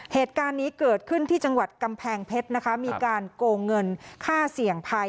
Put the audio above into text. เหตุการณ์นี้เกิดขึ้นที่จังหวัดกำแพงเพชรนะคะมีการโกงเงินค่าเสี่ยงภัย